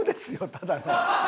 ただの。